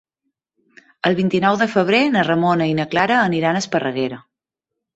El vint-i-nou de febrer na Ramona i na Clara aniran a Esparreguera.